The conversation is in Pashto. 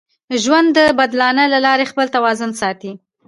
ژوند د بدلانه له لارې خپل توازن ساتي.